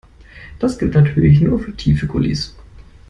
Das gilt natürlich nur für tiefe Gullys.